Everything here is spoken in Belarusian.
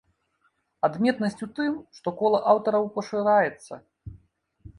Адметнасць у тым што кола аўтараў пашыраецца.